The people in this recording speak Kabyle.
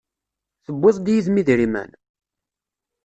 Tewwiḍ-d yid-m idrimen?